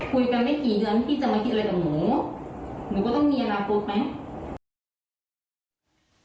คุยกันไม่กี่เดือนพี่จะมากินอะไรกับหนู